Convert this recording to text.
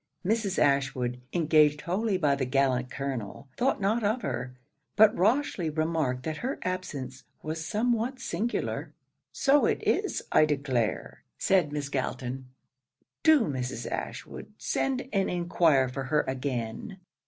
Mrs. Ashwood, engaged wholly by the gallant colonel, thought not of her; but Rochely remarked that her absence was somewhat singular. 'So it is I declare,' said Miss Galton; 'do Mrs. Ashwood send and enquire for her again.'